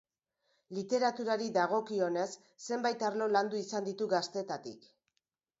Literaturari dagokionez, zenbait arlo landu izan ditu gaztetatik.